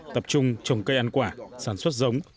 tập trung trồng cây ăn quả sản xuất giống